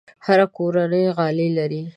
هره کورنۍ غالۍ لري.